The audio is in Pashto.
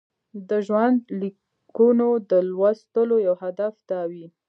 د ژوندلیکونو د لوستلو یو هدف دا وي.